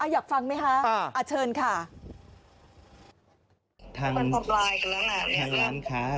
อยากฟังไหมคะเชิญค่ะ